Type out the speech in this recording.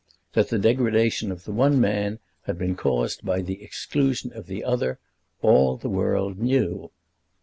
That the degradation of the one man had been caused by the exclusion of the other all the world knew.